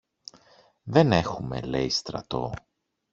Δεν έχουμε, λέει, στρατό!